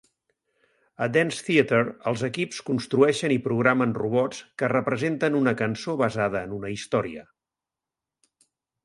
A Dance Theatre, els equips construeixen i programen robots que representen una cançó basada en una història.